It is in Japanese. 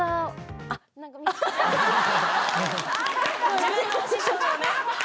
自分のお師匠のね。